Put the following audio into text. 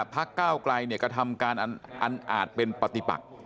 พระเก้าไกรก็ทำการอันอาจเป็นปฏิปักษ์